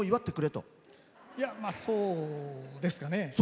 いや、まあ、そうですかね。